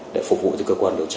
để phục vụ cho cơ quan điều tra